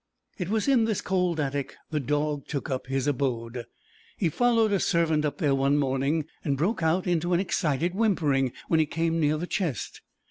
It was in this cold attic the dog took up his abode. He followed a servant up there one morning, and broke out into an excited whimpering when he came near the chest.